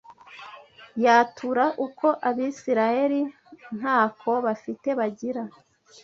yatura uko Abisirayeli nta ko bafite bagira